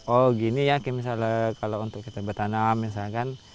oh gini ya misalnya kalau untuk kita bertanam misalkan